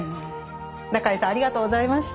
中江さんありがとうございました。